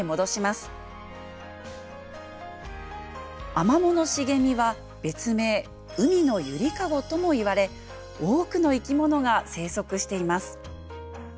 アマモの茂みは別名「海のゆりかご」ともいわれ多くの生き物が生息しています。